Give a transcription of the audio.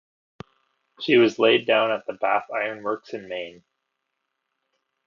She was laid down at the Bath Iron Works in Maine.